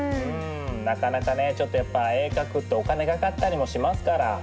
なかなかねちょっと絵を描くってお金かかったりもしますから。